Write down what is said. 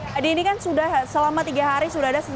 jadi ini kan sudah selama tiga hari sudah ada